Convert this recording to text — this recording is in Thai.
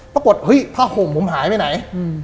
ปรากฏเฮ้ยผ้าห่มผมหายไปไหน